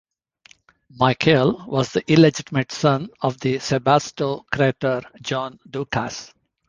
Michael was the illegitimate son of the "sebastokrator" John Doukas.